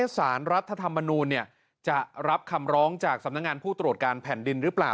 สารรัฐธรรมนูลจะรับคำร้องจากสำนักงานผู้ตรวจการแผ่นดินหรือเปล่า